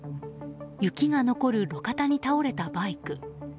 雪が残る路肩に倒れたバイク。